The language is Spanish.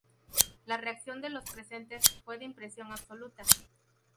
La reacción de los presentes fue de impresión absoluta.